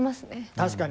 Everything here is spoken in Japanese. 確かに。